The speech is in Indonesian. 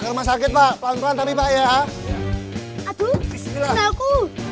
ke rumah sakit pak panggilan tapi pak ya aduh aku